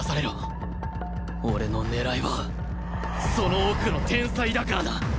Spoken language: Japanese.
俺の狙いはその奥の天才だからな